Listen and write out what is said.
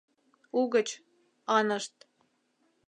угыч», Ынышт